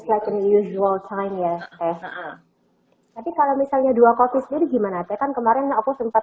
like in usual time ya teh tapi kalau misalnya dua coffee sendiri gimana teh kan kemarin aku sempat